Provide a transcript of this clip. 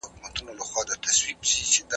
د هرې ټولنې دودونه یو له بل توپیر لري.